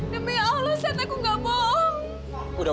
demi allah sat aku nggak bohong